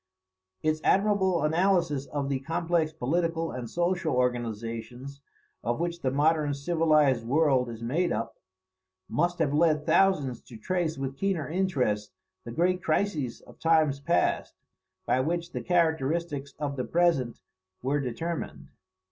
Its admirable analysis of the complex political and social organizations of which the modern civilized world is made up, must have led thousands to trace with keener interest the great crises of times past, by which the characteristics of the present were determined.